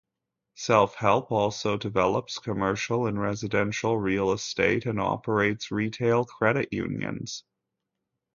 Self-Help also develops commercial and residential real estate and operates retail credit unions.